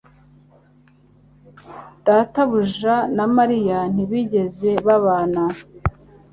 data buja na Mariya ntibigeze babana